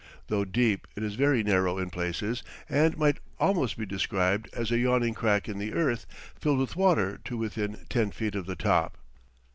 Though deep, it is very narrow in places, and might almost be described as a yawning crack in the earth, filled with water to within ten feet of the top.